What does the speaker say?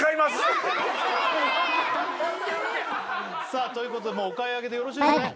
さあということでもうお買い上げでよろしいですね？